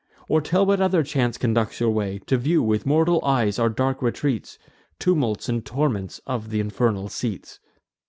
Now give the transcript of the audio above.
Or tell what other chance conducts your way, To view with mortal eyes our dark retreats, Tumults and torments of th' infernal seats."